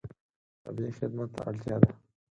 طبیعي خدمت ته اړتیا ده.